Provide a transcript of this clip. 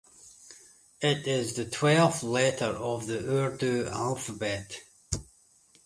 It is the twelfth letter of the Urdu alphabet.